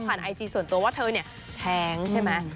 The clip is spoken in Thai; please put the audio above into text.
ไอจีส่วนตัวว่าเธอเนี่ยแท้งใช่ไหม